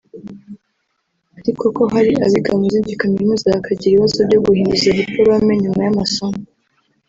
ariko ko hari abiga mu zindi kaminuza bakagira ibibazo byo guhinduza dipolome nyuma y’amasomo